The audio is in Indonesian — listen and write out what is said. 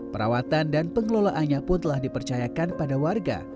perawatan dan pengelolaannya pun telah dipercayakan pada warga